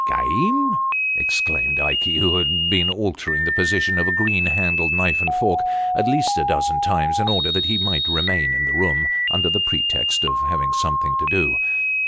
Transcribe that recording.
" Game !" exclaimed Ikey, who had been altering the position of a green handled knife and fork at least a dozen times, in order that he might remain in the room under the pretext of having something to do.